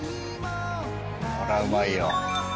こりゃうまいよ。